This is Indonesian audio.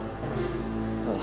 baba lord allah